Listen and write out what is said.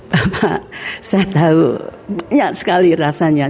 bapak saya tahu banyak sekali rasanya